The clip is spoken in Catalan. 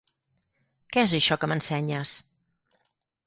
Què és això que m’ensenyes?